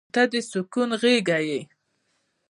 • ته د سکون غېږه یې.